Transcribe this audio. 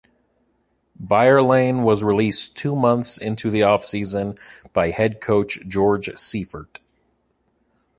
Beuerlein was released two months into the offseason by head coach George Seifert.